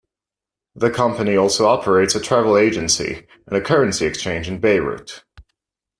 The company also operates a travel agency and a currency exchange in Beirut.